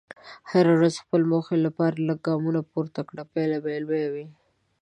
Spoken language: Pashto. هره ورځ د خپلو موخو لپاره لږ ګامونه پورته کړه، پایله به لویه وي.